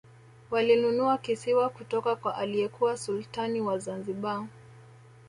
walinunua kisiwa kutoka kwa aliyekuwa sultani wa zanzibar